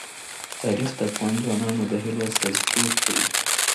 تاریخ د افغان ځوانانو د هیلو استازیتوب کوي.